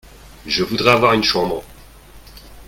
Je voudrais avoir une chambre.